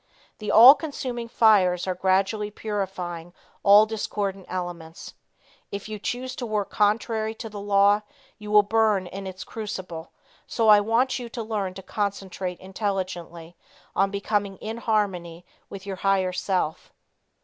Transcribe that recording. The all consuming fires are gradually purifying all discordant elements. If you choose to work contrary to the law you will burn in its crucible, so I want you to learn to concentrate intelligently on becoming in harmony with your higher self.